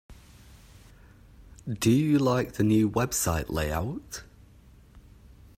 Do you like the new website layout?